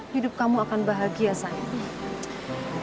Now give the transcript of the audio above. hidup kamu akan bahagia saya